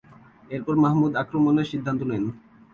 এরপর মাহমুদ আক্রমণের সিদ্ধান্ত নেন।